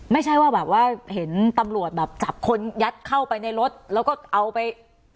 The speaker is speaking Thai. ไม่ใช่ว่าแบบว่าเห็นตำรวจแบบจับคนยัดเข้าไปในรถแล้วก็เอาไป